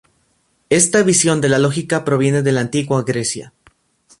Esta visión de la lógica proviene de la Antigua Grecia.